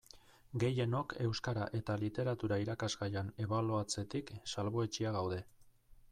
Gehienok Euskara eta Literatura irakasgaian ebaluatzetik salbuetsiak gaude.